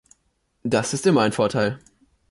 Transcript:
Das ist immer ein Vorteil.